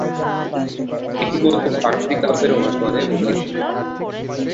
এটি মূলত ফারসি কাব্যের অনুসরণে রচিত।